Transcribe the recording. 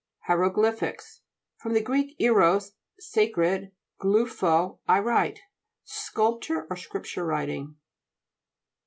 HIEROGLY'PHICS fr. gr. ieros, sa cred, gluphd, I write. Sculpture or scripture writing.